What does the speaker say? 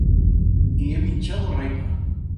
I he minchau borraina.